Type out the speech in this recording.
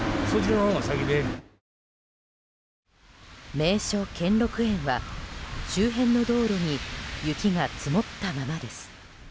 名所・兼六園は周辺の道路に雪が積もったままです。